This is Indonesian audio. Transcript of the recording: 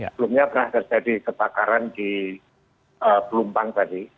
sebelumnya pernah terjadi kebakaran di pelumpang tadi